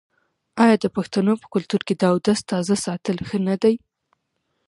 آیا د پښتنو په کلتور کې د اودس تازه ساتل ښه نه دي؟